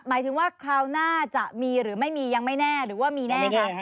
หมายถึงว่าคราวหน้าจะมีหรือไม่มียังไม่แน่หรือว่ามีแน่คะ